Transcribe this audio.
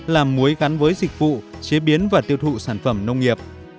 làm muối gắn với dịch vụ chế biến và tiêu thụ sản phẩm nông nghiệp